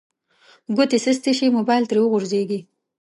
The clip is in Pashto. ګوتې سستې شي موبایل ترې وغورځیږي